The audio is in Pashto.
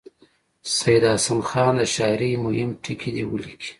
سید حسن خان د شاعرۍ مهم ټکي دې ولیکي.